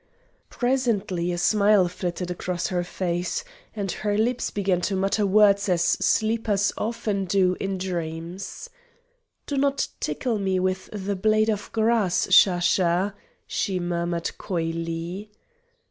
Presently a smile flitted across her face, and her lips began to mutter words as sleepers often do in dreams. "Do not tickle me so with the blade of grass, Shasha," she murmured coyly.